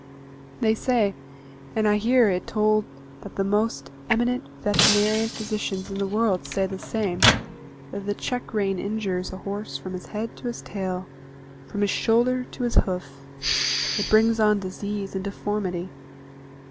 They say, and I hear it told that the most eminent veterinary physicians in the world say the same, that the check rein injures a horse from his head to his tail, from his shoulder to his hoof; it brings on disease and deformity.